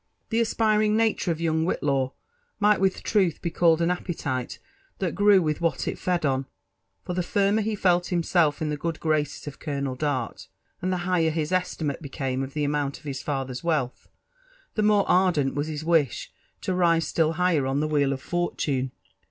The aspiring nature of young Whillaw might with truth be called an appetite that grew with what it fed on ; for ilve firmer he felt himself in the good graces of Colonel Dart, and the higher his estimate became of the amount of his filer's wealth, the more ardent was bis wish to rise stUI' higher on the wheel of Fortune.